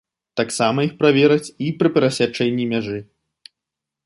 Таксама іх правераць і пры перасячэнні мяжы.